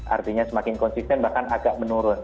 artinya semakin konsisten bahkan agak menurun